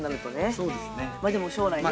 そうですね。